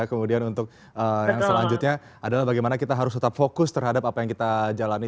kemudian untuk yang selanjutnya adalah bagaimana kita harus tetap fokus terhadap apa yang kita jalani